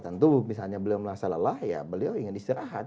tentu misalnya beliau merasa lelah ya beliau ingin istirahat